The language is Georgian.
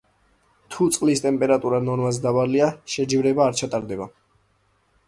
თუ წყლის ტემპერატურა ნორმაზე დაბალია, შეჯიბრება არ ჩატარდება.